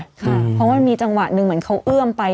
เพราะว่ามันมีจังหวะหนึ่งเหมือนเขาเอื้อมไป